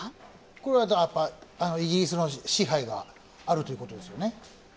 これはイギリスの支配があるということですよね？